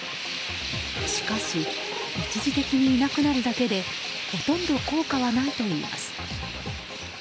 しかし一時的にいなくなるだけでほとんど効果はないといいます。